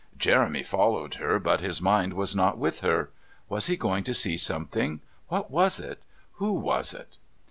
Jeremy followed her, but his mind was not with her. Was he going to see something? What was it? Who was it?